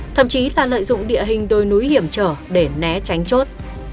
thậm chí là lợi dụng địa hình đồi núi hiểm trở để né tránh chốt